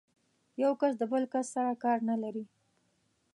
يو کس د بل کس سره کار نه لري.